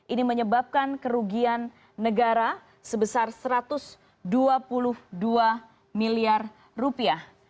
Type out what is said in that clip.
ini menyebabkan kerugian negara sebesar satu ratus dua puluh dua miliar rupiah